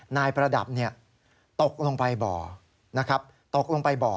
นายประดับตกลงไปบ่อ